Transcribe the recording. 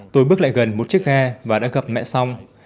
tôi bước lại gần một chiếc ghe và đã gặp mẹ xong